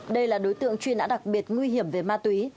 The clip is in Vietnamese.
đây là đối tượng truyền án đặc biệt nguy hiểm về ma túy